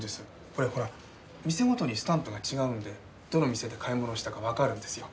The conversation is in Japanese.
これほら店ごとにスタンプが違うんでどの店で買い物をしたかわかるんですよ。